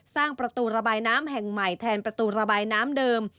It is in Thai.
สร้างประตูระบายน้ำแห่งใหม่แทนประตูระบายน้ำเดิม